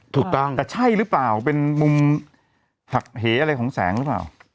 ถูกต้องแต่ใช่หรือเปล่าเป็นมุมหักเหอะไรของแสงหรือเปล่า